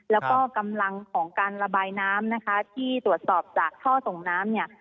แล้วก็กำลังของการระบายน้ำนะคะที่ตรวจสอบจากท่อส่งน้ำเนี่ย